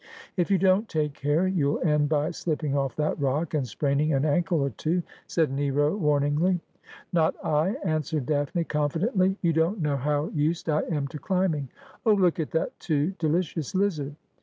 ' If you don't take care you'll end by slipping ofE that rock, and spraining an ankle or two,' said Nero warniugly. ' Not I,' answered Daphne confidently ;' you don't know how used I am to climbing. Ob, look at that too delicious lizard